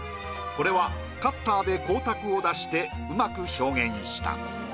これはカッターで光沢を出して上手く表現した。